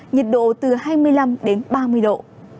nhiệt độ từ hai mươi năm ba mươi độ